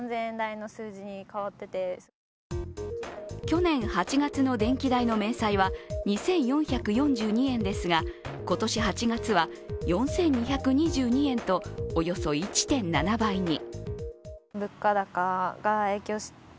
去年８月の電気代の明細は２４４２円ですがこしと８月は４２２２円と、およそ１．７倍に。